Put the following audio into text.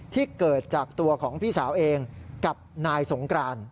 ที่เกิดจากตัวของพี่สาวเองกับนายสงกราน